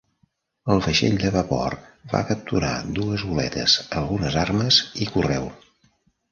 El vaixell de vapor va capturar dues goletes, algunes armes i correu.